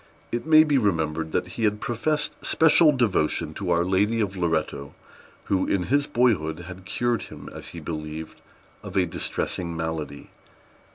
It may be remembered that he had professed special devotion to Our Lady of Loretto, who, in his boyhood, had cured him, as he believed, of a distressing malady.